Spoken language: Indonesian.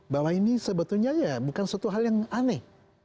bahwa ini sebetulnya ya bukan suatu hal yang aneh